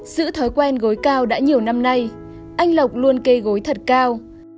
giữ thói quen gối cao đã nhiều năm nay anh lộc luôn cây gối thật cao